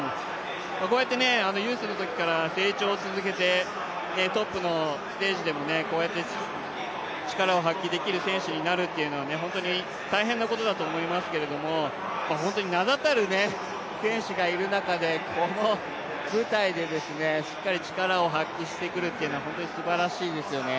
こうやってユースのときから優勝を続けて、こうやって力を発揮できる選手になるというのっは本当に大変なことだと思いますけど名だたる選手がいる中でこの舞台で、しっかり力を発揮してくるというのは本当にすばらしいですよね。